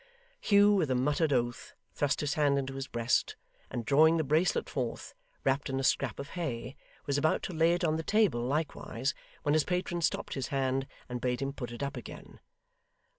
Hugh with a muttered oath thrust his hand into his breast, and drawing the bracelet forth, wrapped in a scrap of hay, was about to lay it on the table likewise, when his patron stopped his hand and bade him put it up again.